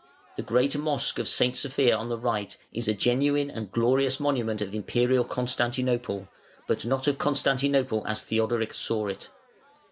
The great mosque of St. Sophia on the right is a genuine and a glorious monument of Imperial Constantinople, but not of Constantinople as Theodoric saw it.